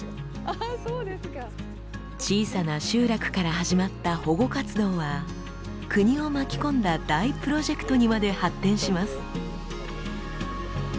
小さな集落から始まった保護活動は国を巻き込んだ大プロジェクトにまで発展します。